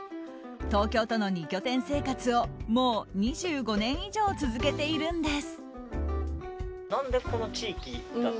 東京との２拠点生活をもう２５年以上続けているんです。